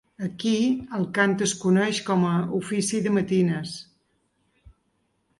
Aquí, el cant es coneix com a “Ofici de matines”.